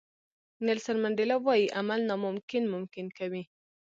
نیلسن منډیلا وایي عمل ناممکن ممکن کوي.